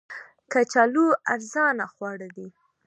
کچالو ارزانه خواړه دي